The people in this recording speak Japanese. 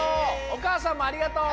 おかあさんもありがとう！